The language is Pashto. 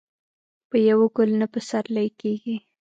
په يوه ګل نه پسرلی کېږي.